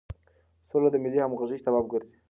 سوله د ملي همغږۍ سبب ګرځي.